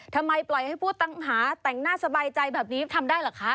ทำไมปล่อยให้ผู้ต้องหาแต่งหน้าสบายใจแบบนี้ทำได้เหรอคะ